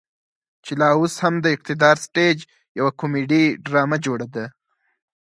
چې لا اوس هم د اقتدار سټيج يوه کميډي ډرامه جوړه ده.